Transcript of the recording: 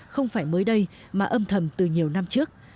không phải mới đây mà âm thầm từ nhiều năm trước